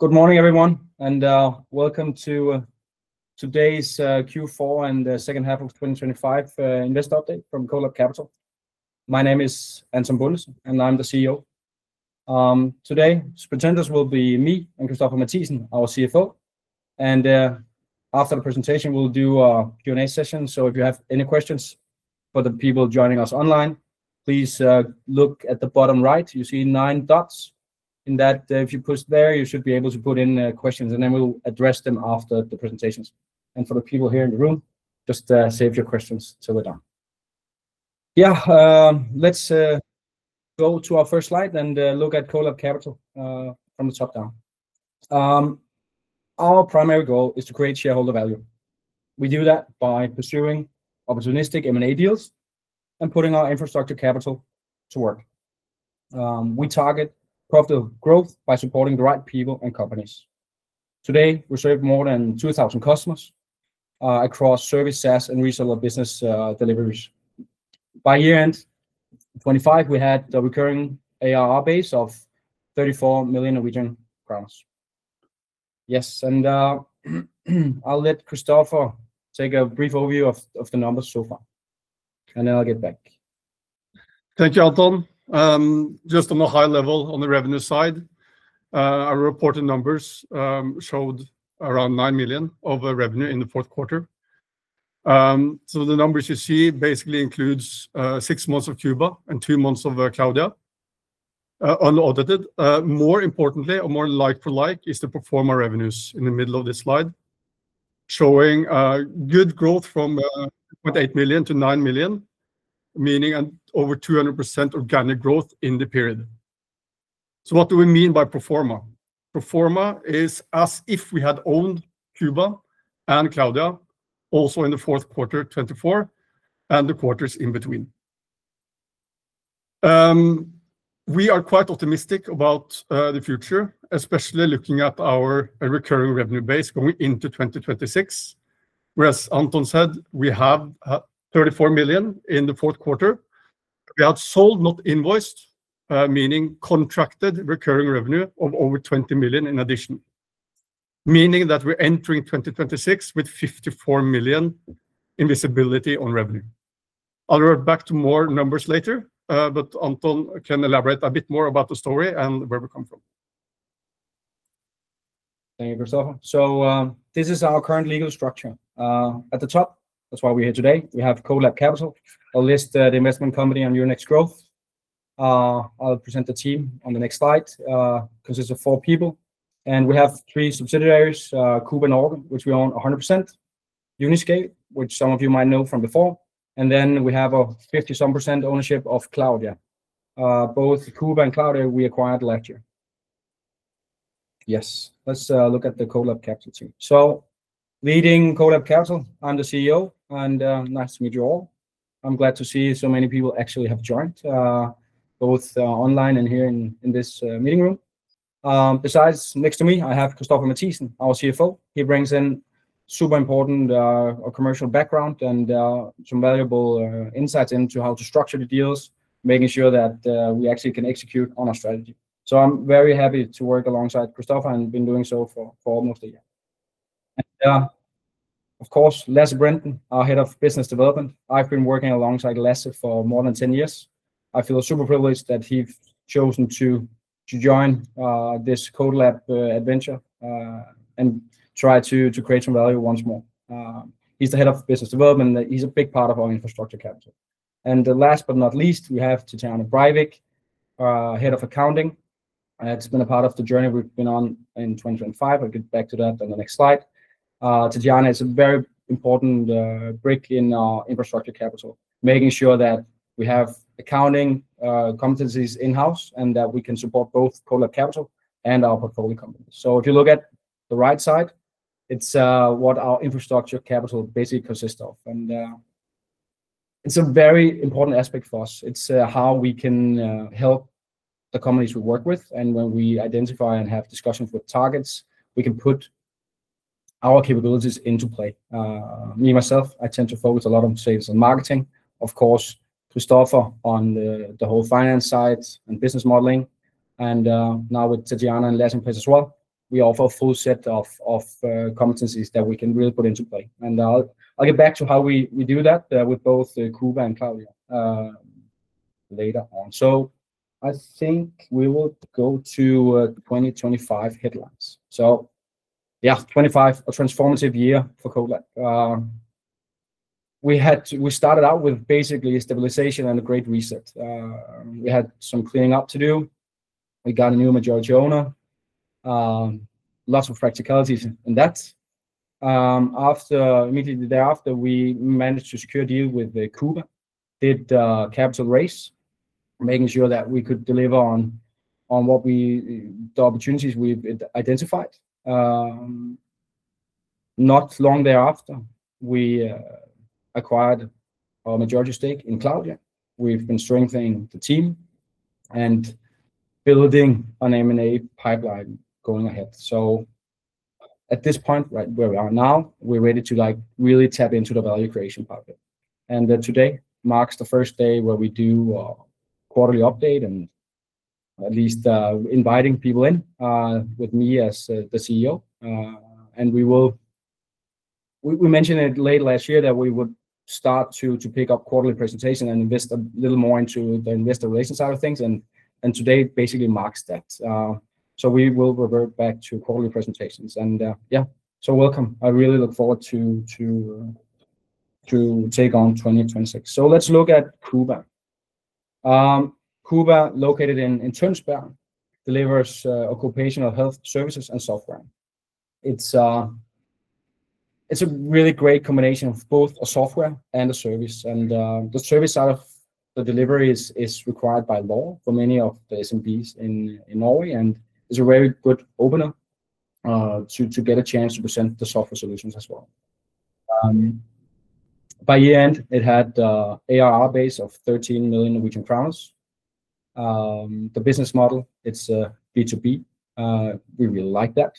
Good morning, everyone, welcome to today's Q4 and the second half of 2025 investor update from CodeLab Capital. My name is Anton Bondesen, and I'm the CEO. Today, presenters will be me and Christoffer Mathiesen, our CFO. After the presentation, we'll do a Q&A session. If you have any questions, for the people joining us online, please look at the bottom right, you see nine dots. In that, if you push there, you should be able to put in questions, we'll address them after the presentations. For the people here in the room, just save your questions till we're done. Let's go to our first slide and look at CodeLab Capital from the top down. Our primary goal is to create shareholder value. We do that by pursuing opportunistic M&A deals and putting our infrastructure capital to work. We target profitable growth by supporting the right people and companies. Today, we serve more than 2,000 customers across service, SaaS, and reseller business deliveries. By year-end 2025, we had a recurring ARR base of 34 million Norwegian crowns. I'll let Christoffer take a brief overview of the numbers so far, and then I'll get back. Thank you, Anton. Just on a high level, on the revenue side, our reported numbers showed around 9 million of revenue in the fourth quarter. The numbers you see basically includes six months of Kuba and two months of Cloudya, unaudited. More importantly, or more like for like, is the pro forma revenues in the middle of this slide, showing good growth from 0.8 million to 9 million, meaning an over 200% organic growth in the period. What do we mean by pro forma? Pro forma is as if we had owned Kuba and Cloudya also in the fourth quarter 2024 and the quarters in between. We are quite optimistic about the future, especially looking at our recurring revenue base going into 2026, whereas Anton said, we have 34 million in the fourth quarter. We had sold, not invoiced, meaning contracted recurring revenue of over 20 million in addition, meaning that we're entering 2026 with 54 million in visibility on revenue. I'll be back to more numbers later, but Anton can elaborate a bit more about the story and where we come from. Thank you, Christoffer. This is our current legal structure. At the top, that's why we're here today, we have CodeLab Capital, a listed investment company on Euronext Growth. I'll present the team on the next slide, 'cause it's four people, and we have three subsidiaries, Kuba Norge, which we own 100%, Uniscale, which some of you might know from before, and then we have a 50 some percent ownership of Cloudya. Both Kuba and Cloudya, we acquired last year. Yes, let's look at the CodeLab Capital team. Leading CodeLab Capital, I'm the CEO, and nice to meet you all. I'm glad to see so many people actually have joined, both online and here in this meeting room. Besides, next to me, I have Christoffer Mathiesen, our CFO. He brings in super important commercial background and some valuable insights into how to structure the deals, making sure that we actually can execute on our strategy. I'm very happy to work alongside Christoffer, and been doing so for almost a year. Of course, Lasse Brenden, our Head of Business Development. I've been working alongside Lasse for more than 10 years. I feel super privileged that he's chosen to join this CodeLab adventure and try to create some value once more. He's the Head of Business Development, he's a big part of our infrastructure capital. The last but not least, we have Tatyana Breivik, our Head of Accounting, and has been a part of the journey we've been on in 2025. I'll get back to that on the next slide. Tatyana is a very important brick in our infrastructure capital, making sure that we have accounting competencies in-house, and that we can support both CodeLab Capital and our portfolio companies. If you look at the right side, it's what our infrastructure capital basically consists of, and it's a very important aspect for us. It's how we can help the companies we work with, and when we identify and have discussions with targets, we can put our capabilities into play. Me, myself, I tend to focus a lot on sales and marketing. Of course, Christoffer on the whole finance side and business modeling, and now with Tetyana and Lasse in place as well, we offer a full set of competencies that we can really put into play. I'll get back to how we do that with both Kuba and Cloudya later on. I think we would go to 2025 headlines. Yeah, 2025, a transformative year for CodeLab. We started out with basically stabilization and a great reset. We had some cleaning up to do. We got a new majority owner, lots of practicalities in that. After, immediately the day after, we managed to secure a deal with Kuba, did a capital raise, making sure that we could deliver on what we the opportunities we've identified. Not long thereafter, we acquired a majority stake in Cloudya. We've been strengthening the team and building an M&A pipeline going ahead. At this point, right where we are now, we're ready to, like, really tap into the value creation part of it. Today marks the first day where we do a quarterly update, and at least inviting people in with me as the CEO. We mentioned it late last year, that we would start to pick up quarterly presentation and invest a little more into the investor relations side of things, today basically marks that. We will revert back to quarterly presentations. Yeah, welcome. I really look forward to take on 2026. Let's look at Kuba. Kuba, located in Tønsberg, delivers occupational health services and software. It's, it's a really great combination of both a software and a service, the service side of the delivery is required by law for many of the SMBs in Norway, and is a very good opener to get a chance to present the software solutions as well. By year-end, it had a ARR base of 13 million Norwegian crowns. The business model, it's B2B. We really like that,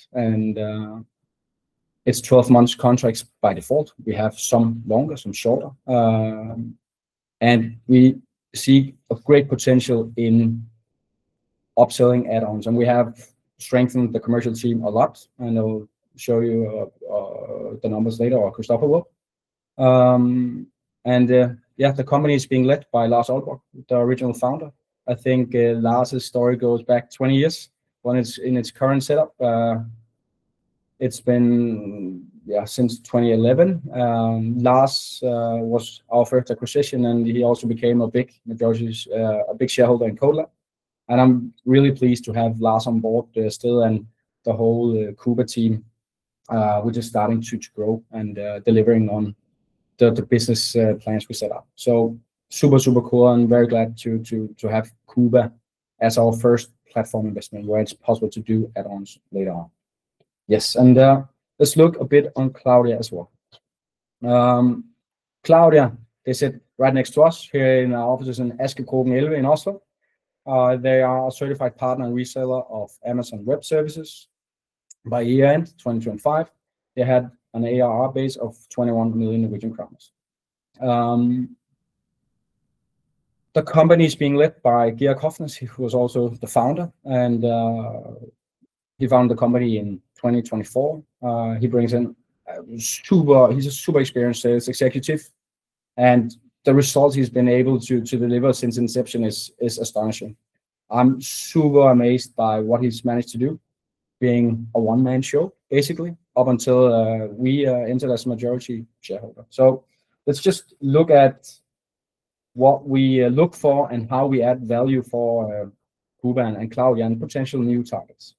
it's 12 months contracts by default. We have some longer, some shorter. We see a great potential in upselling add-ons, and we have strengthened the commercial team a lot, and I will show you the numbers later, or Christoffer will. Yeah, the company is being led by Lars Olborg, the original founder. I think Lars' story goes back 20 years. When it's in its current setup, it's been since 2011. Lars was offered acquisition, he also became a big majority shareholder in CodeLab, I'm really pleased to have Lars on board still, the whole Kuba team, which is starting to grow and delivering on the business plans we set up. Super, super cool, very glad to have Kuba as our first platform investment, where it's possible to do add-ons later on. Let's look a bit on Cloudya as well. Cloudya, they sit right next to us here in our offices in Aker Brygge in Oslo. They are a certified partner and reseller of Amazon Web Services. By year-end 2025, they had an ARR base of 21 million Norwegian crowns. The company is being led by Georg Pedersen, who is also the founder, and he founded the company in 2024. He's a super experienced sales executive, and the results he's been able to deliver since inception is astonishing. I'm super amazed by what he's managed to do, being a one-man show, basically, up until we entered as majority shareholder. Let's just look at what we look for and how we add value for Kuba and Cloudya and potential new targets.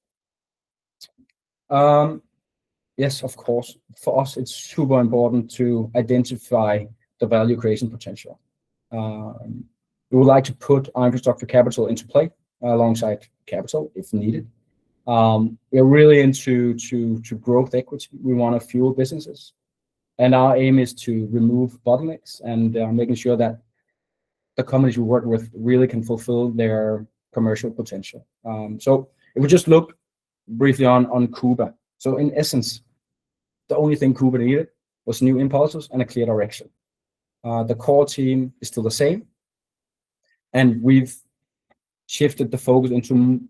Yes, of course, for us, it's super important to identify the value creation potential. We would like to put infrastructure capital into play, alongside capital if needed. We're really into to grow equity. We want to fuel businesses, and our aim is to remove bottlenecks and making sure that the companies we work with really can fulfill their commercial potential. If we just look briefly on Kuba. In essence, the only thing Kuba needed was new impulses and a clear direction. The core team is still the same, and we've shifted the focus into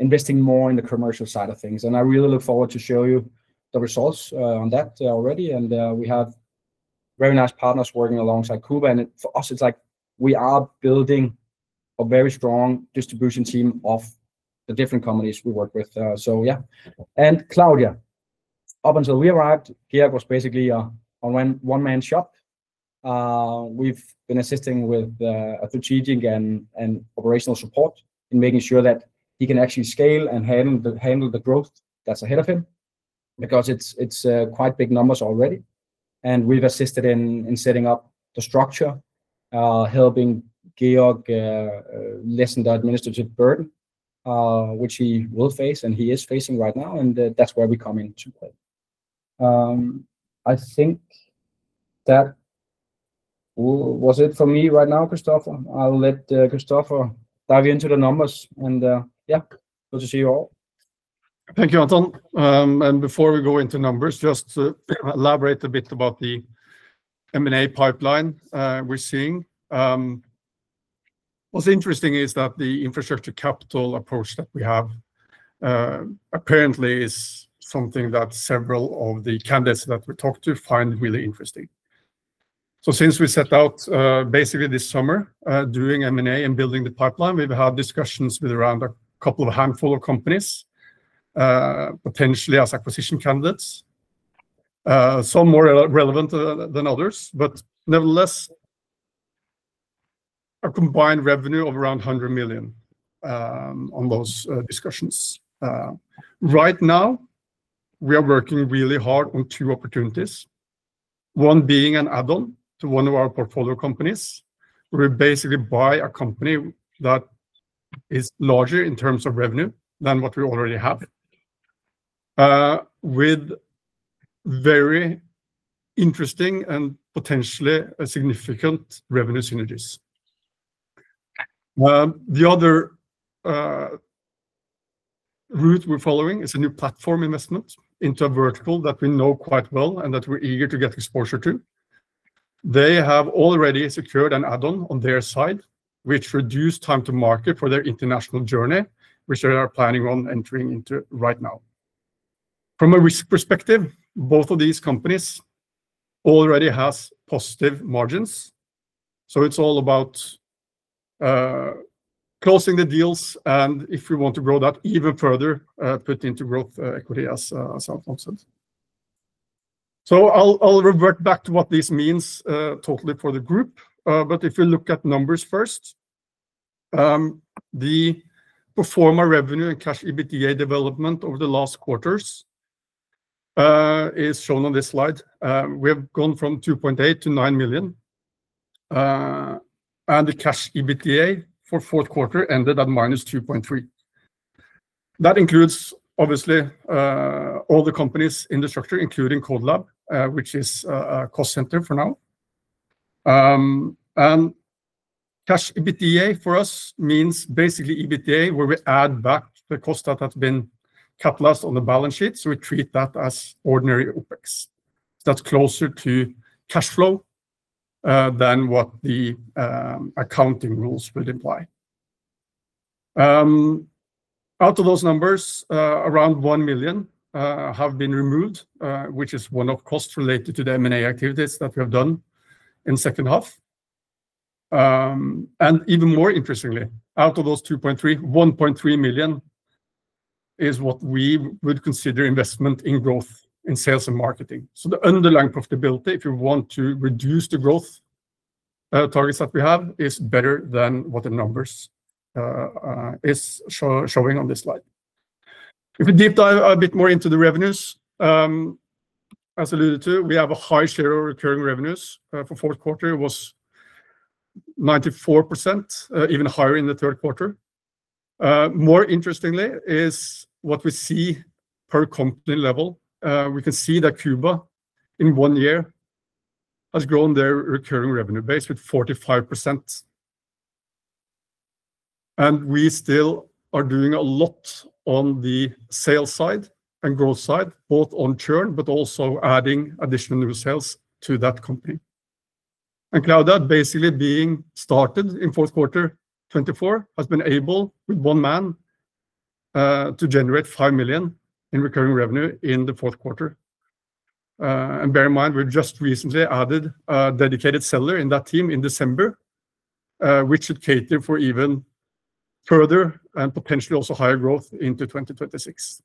investing more in the commercial side of things, and I really look forward to show you the results on that already. We have very nice partners working alongside Kuba, and for us, it's like we are building a very strong distribution team of the different companies we work with. Yeah. Cloudya, up until we arrived, Georg was basically a one-man shop. We've been assisting with a strategic and operational support in making sure that he can actually scale and handle the growth that's ahead of him, because it's quite big numbers already. We've assisted in setting up the structure, helping Georg lessen the administrative burden, which he will face, and he is facing right now, and that's where we come into play. I think that was it for me right now, Christoffer? I'll let Christoffer dive into the numbers, and yeah, good to see you all. Thank you, Anton. Before we go into numbers, just to elaborate a bit about the M&A pipeline we're seeing. What's interesting is that the infrastructure capital approach that we have apparently is something that several of the candidates that we talked to find really interesting. Since we set out basically this summer doing M&A and building the pipeline, we've had discussions with around a couple of handful of companies potentially as acquisition candidates. Some more relevant than others, but nevertheless, a combined revenue of around 100 million on those discussions. Right now, we are working really hard on two opportunities, one being an add-on to one of our portfolio companies, where we basically buy a company that is larger in terms of revenue than what we already have with very interesting and potentially significant revenue synergies.... The other route we're following is a new platform investment into a vertical that we know quite well and that we're eager to get exposure to. They have already secured an add-on on their side, which reduced time to market for their international journey, which they are planning on entering into right now. From a risk perspective, both of these companies already has positive margins, so it's all about closing the deals, and if we want to grow that even further, put into growth equity as as our concepts. I'll revert back to what this means totally for the group. If you look at numbers first, the pro forma revenue and cash EBITDA development over the last quarters is shown on this slide. We have gone from 2.8 million-9 million, and the cash EBITDA for fourth quarter ended at 2.3 million. That includes, obviously, all the companies in the structure, including CodeLab, which is a cost center for now. Cash EBITDA for us means basically EBITDA, where we add back the cost that has been capitalized on the balance sheet, so we treat that as ordinary OpEx. That's closer to cash flow than what the accounting rules would imply. Out of those numbers, around 1 million have been removed, which is one of costs related to the M&A activities that we have done in second half. Even more interestingly, out of those 2.3 million, 1.3 million is what we would consider investment in growth in sales and marketing. The underlying profitability, if you want to reduce the growth targets that we have, is better than what the numbers is showing on this slide. If we deep dive a bit more into the revenues, as alluded to, we have a high share of recurring revenues. For fourth quarter, it was 94%, even higher in the third quarter. More interestingly is what we see per company level. We can see that Kuba, in one year, has grown their recurring revenue base with 45%, and we still are doing a lot on the sales side and growth side, both on churn, but also adding additional new sales to that company. Cloudya, basically being started in fourth quarter 2024, has been able, with one man, to generate 5 million in recurring revenue in the fourth quarter. Bear in mind, we've just recently added a dedicated seller in that team in December, which should cater for even further and potentially also higher growth into 2026.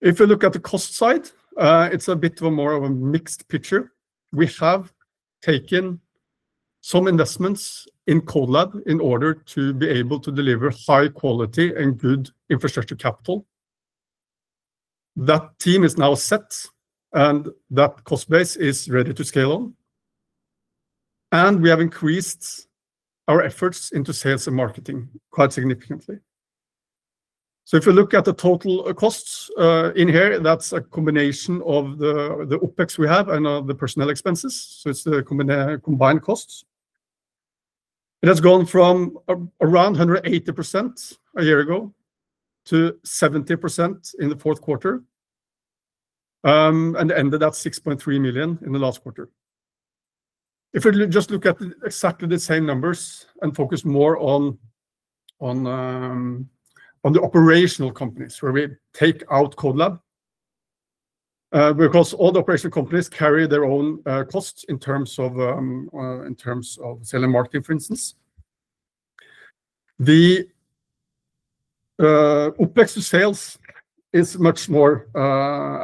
If you look at the cost side, it's a bit of a more of a mixed picture. We have taken some investments in CodeLab in order to be able to deliver high quality and good infrastructure capital. That team is now set, and that cost base is ready to scale on, and we have increased our efforts into sales and marketing quite significantly. If you look at the total costs in here, that's a combination of the OpEx we have and the personnel expenses, so it's the combined costs. It has gone from around 180% a year ago to 70% in the fourth quarter, and ended at 6.3 million in the last quarter. If we just look at exactly the same numbers and focus more on the operational companies, where we take out CodeLab, because all the operational companies carry their own costs in terms of in terms of sales and marketing, for instance. The OpEx to sales is much more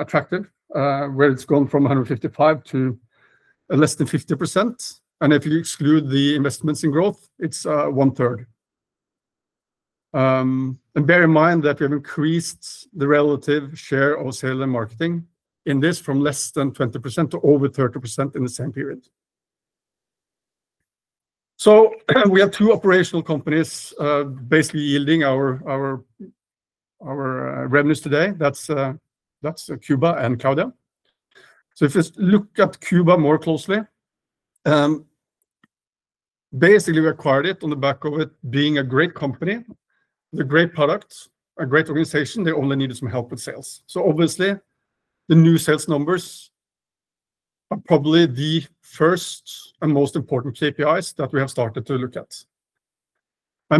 attractive, where it's gone from 155% to less than 50%, and if you exclude the investments in growth, it's 1/3. Bear in mind that we have increased the relative share of sales and marketing in this from less than 20% to over 30% in the same period. We have two operational companies, basically yielding our revenues today. That's Kuba and Cloudya. If you look at Kuba more closely, basically we acquired it on the back of it being a great company with a great product, a great organization. They only needed some help with sales. Obviously, the new sales numbers are probably the first and most important KPIs that we have started to look at.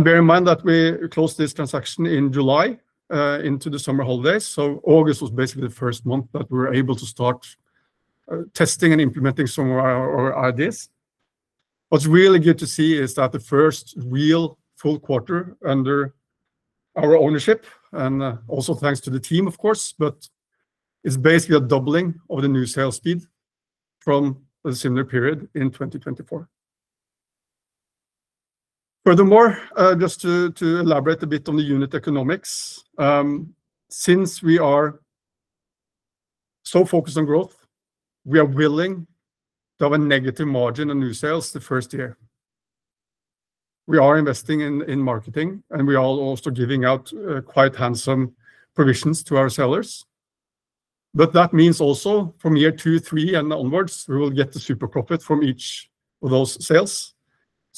Bear in mind that we closed this transaction in July, into the summer holidays, August was basically the first month that we were able to start testing and implementing some of our ideas. What's really good to see is that the first real full quarter under our ownership, and also thanks to the team, of course, but it's basically a doubling of the new sales speed from the similar period in 2024. Just to elaborate a bit on the unit economics, since we are so focused on growth, we are willing to have a negative margin on new sales the first year. We are investing in marketing, and we are also giving out quite handsome provisions to our sellers. That means also from year two, three, and onwards, we will get the super profit from each of those sales.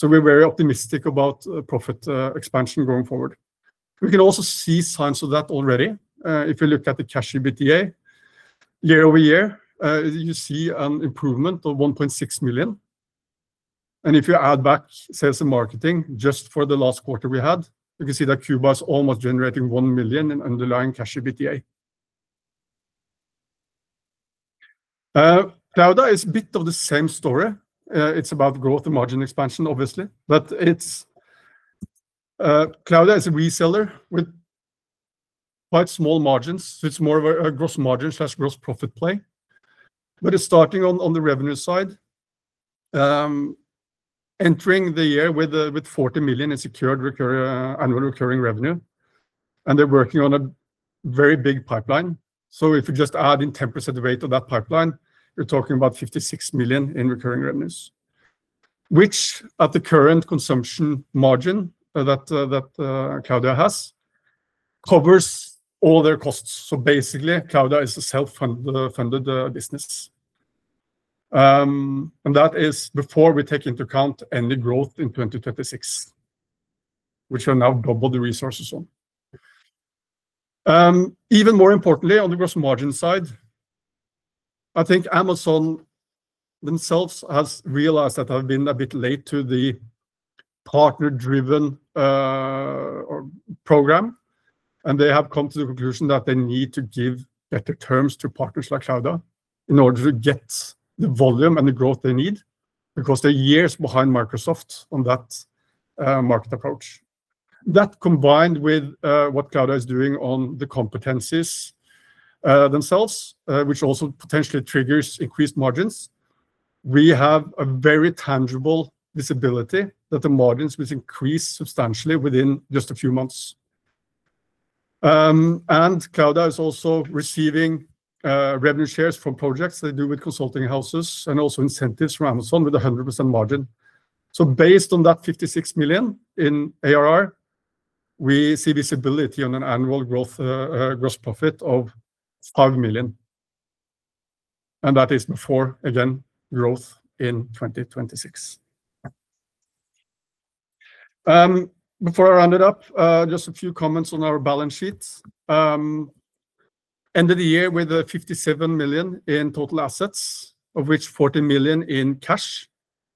We're very optimistic about profit expansion going forward. We can also see signs of that already. If you look at the cash EBITDA year-over-year, you see an improvement of 1.6 million, and if you add back sales and marketing just for the last quarter we had, you can see that Kuba is almost generating 1 million in underlying cash EBITDA. Cloudya is a bit of the same story. It's about growth and margin expansion, obviously. It's Cloudya is a reseller with quite small margins, so it's more of a gross margin/gross profit play. It's starting on the revenue side. Entering the year with 40 million in secured annual recurring revenue, and they're working on a very big pipeline. if you just add in 10% rate of that pipeline, you're talking about 56 million in recurring revenues, which at the current consumption margin that Cloudya has, covers all their costs. Basically, Cloudya is a self-funded business. And that is before we take into account any growth in 2026, which are now double the resources on. Even more importantly, on the gross margin side, I think Amazon themselves has realized that they've been a bit late to the partner-driven program, and they have come to the conclusion that they need to give better terms to partners like Cloudya in order to get the volume and the growth they need, because they're years behind Microsoft on that market approach. Combined with what Cloudya is doing on the competencies themselves, which also potentially triggers increased margins, we have a very tangible visibility that the margins will increase substantially within just a few months. Cloudya is also receiving revenue shares from projects they do with consulting houses and also incentives from Amazon with a 100% margin. Based on that 56 million in ARR, we see visibility on an annual growth gross profit of 5 million, and that is before, again, growth in 2026. Before I round it up, just a few comments on our balance sheet. Ended the year with a 57 million in total assets, of which 40 million in cash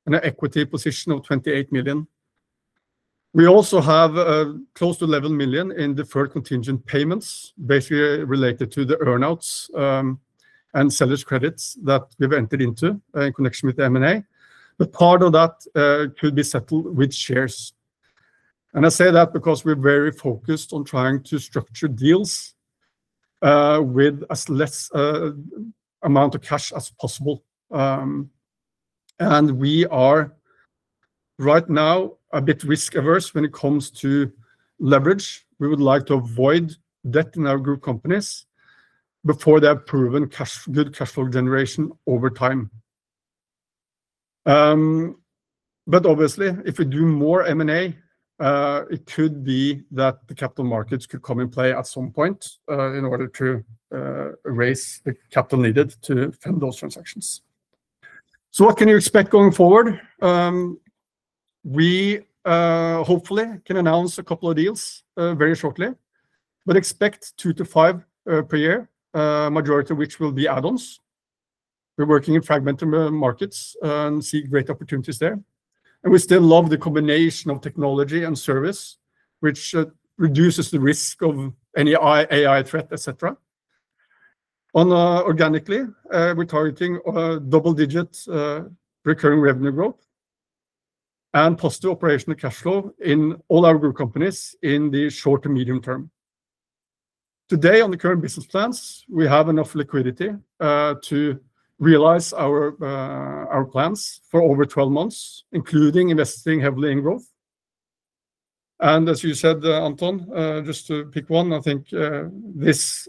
and an equity position of 28 million. We also have close to 11 million in deferred contingent payments, basically related to the earn-outs, and sellers' credits that we've entered into in connection with the M&A, but part of that, could be settled with shares. I say that because we're very focused on trying to structure deals, with as less amount of cash as possible. We are right now a bit risk-averse when it comes to leverage. We would like to avoid debt in our group companies before they have proven cash, good cash flow generation over time. Obviously, if we do more M&A, it could be that the capital markets could come in play at some point, in order to raise the capital needed to fund those transactions. What can you expect going forward? We hopefully can announce a couple of deals very shortly, but expect 2-5 per year, majority of which will be add-ons. We're working in fragmented markets and see great opportunities there, and we still love the combination of technology and service, which reduces the risk of any AI threat, et cetera. On organically, we're targeting double digits recurring revenue growth and positive operational cash flow in all our group companies in the short to medium term. Today, on the current business plans, we have enough liquidity to realize our plans for over 12 months, including investing heavily in growth. As you said, Anton, just to pick one, I think this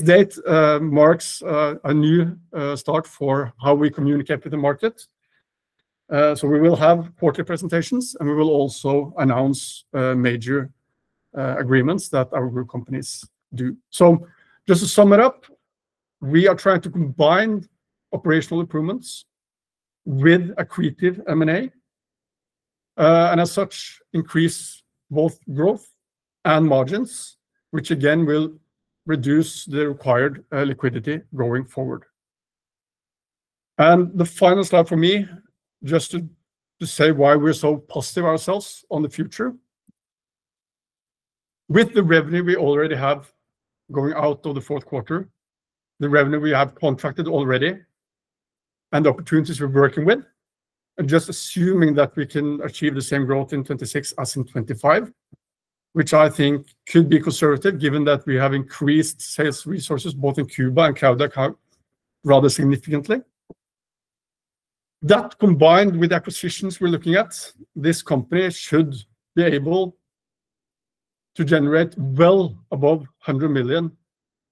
date marks a new start for how we communicate with the market. We will have quarterly presentations, and we will also announce major agreements that our group companies do. Just to sum it up, we are trying to combine operational improvements with accretive M&A, and as such, increase both growth and margins, which again will reduce the required liquidity going forward. The final slide for me, just to say why we're so positive ourselves on the future, with the revenue we already have going out of the fourth quarter, the revenue we have contracted already and the opportunities we're working with, and just assuming that we can achieve the same growth in 2026 as in 2025, which I think should be conservative, given that we have increased sales resources both in Kuba and Cloudya rather significantly. That, combined with acquisitions we're looking at, this company should be able to generate well above 100 million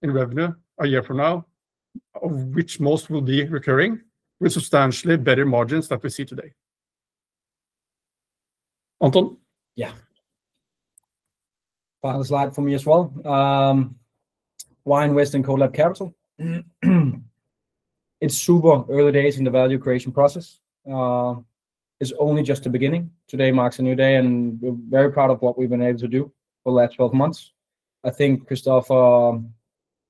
in revenue a year from now, of which most will be recurring, with substantially better margins than we see today. Anton? Yeah. Final slide for me as well. Why invest in CodeLab Capital? It's super early days in the value creation process. It's only just the beginning. Today marks a new day, and we're very proud of what we've been able to do for the last 12 months. I think Christoffer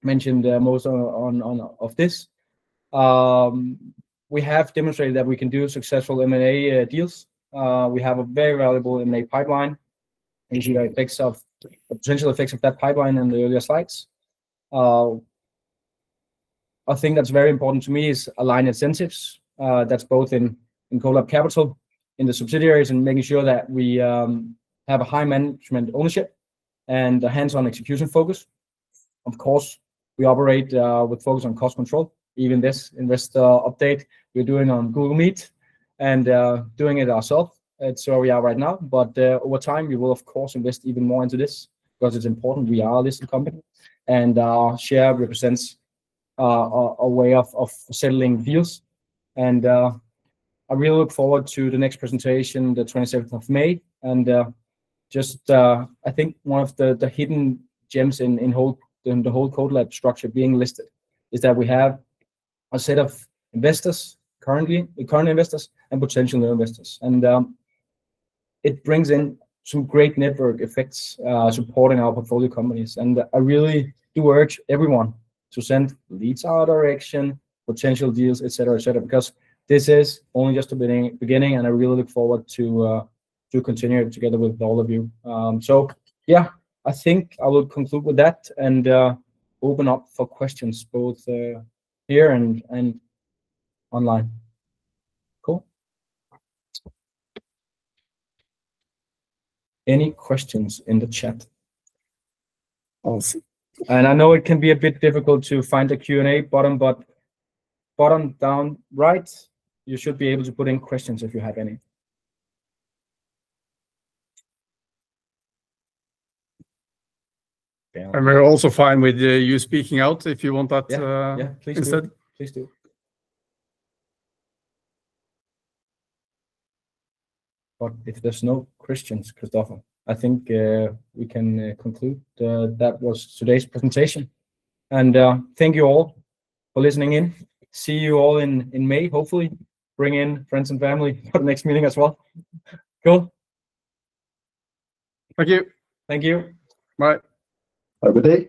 mentioned most on of this. We have demonstrated that we can do successful M&A deals. We have a very valuable M&A pipeline, and you see the potential effects of that pipeline in the earlier slides. A thing that's very important to me is align incentives, that's both in CodeLab Capital, in the subsidiaries, and making sure that we have a high management ownership and a hands-on execution focus. Of course, we operate with focus on cost control. Even this investor update, we're doing on Google Meet and, doing it ourself. It's where we are right now, but, over time, we will of course, invest even more into this because it's important. We are a listed company, and our share represents, a way of settling deals. I really look forward to the next presentation, the 27th of May. Just, I think one of the hidden gems in the whole CodeLab structure being listed, is that we have a set of investors currently, the current investors and potential new investors. It brings in some great network effects, supporting our portfolio companies. I really do urge everyone to send leads our direction, potential deals, et cetera, et cetera, because this is only just the beginning, and I really look forward to continue it together with all of you. Yeah, I think I will conclude with that and open up for questions both here and online. Cool. Any questions in the chat? I'll see. I know it can be a bit difficult to find the Q&A button, but bottom down, right, you should be able to put in questions if you have any. We're also fine with, you speaking out, if you want that. Yeah, yeah. Instead. Please do. Please do. If there's no questions, Christoffer, I think we can conclude that was today's presentation. Thank you all for listening in. See you all in May. Hopefully, bring in friends and family for the next meeting as well. Cool. Thank you. Thank you. Bye. Have a good day.